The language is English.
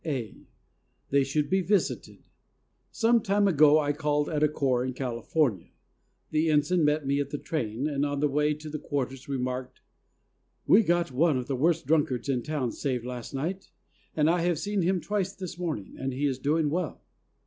(a). They should be visited. Some time ago I called at a corps in California. 120 THE soul winner's SEC31ET. The Ensign met me at the train, and on the way to the quarters remarked, "We got one of the worst drunkards in town saved last night, and I have seen him twice this morn ing and he is doing well."